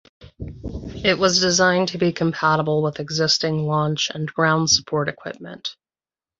It was designed to be compatible with existing launch and ground support equipment.